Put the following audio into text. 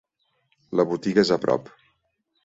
La botiga és a prop.